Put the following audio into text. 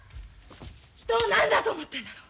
人を何だと思ってんだろ！